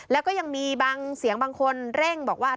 แล้วก็ยังมีบางเสียงบางคนเร่งบอกว่า